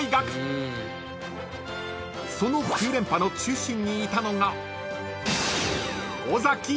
［その９連覇の中心にいたのが］